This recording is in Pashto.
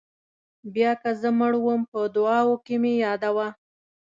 بیا که زه مړ وم په دعاوو کې مې یادوه.